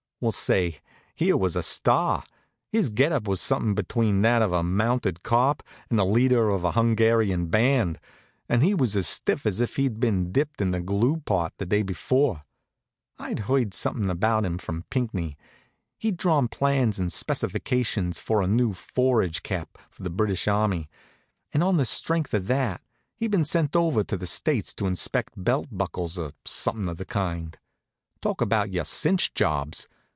Well, say! he was a star. His get up was somethin' between that of a mounted cop and the leader of a Hungarian band, and he was as stiff as if he'd been dipped in the glue pot the day before. I'd heard somethin' about him from Pinckney. He'd drawn plans and specifications for a new forage cap for the British army, and on the strength of that he'd been sent over to the States to inspect belt buckles, or somethin' of the kind. Talk about your cinch jobs!